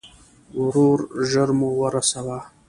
وروره، ژر مو ور ورسوه.